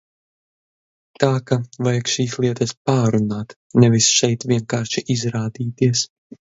Tā ka vajag šīs lietas pārrunāt, nevis šeit vienkārši izrādīties.